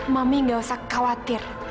mami gak usah khawatir